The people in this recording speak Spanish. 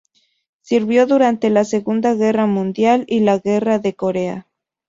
Sirvió durante la Segunda Guerra Mundial y la Guerra de Corea.